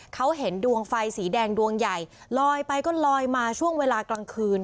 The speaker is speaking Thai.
เขาเห็นดวงไฟสีแดงดวงใหญ่ลอยไปก็ลอยมาช่วงเวลากลางคืน